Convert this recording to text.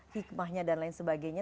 hikmahnya dan lain sebagainya